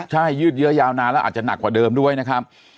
ใช่ยืดเยอะยาวนานแล้วอาจจะหนักกว่าเดิมด้วยนะครับ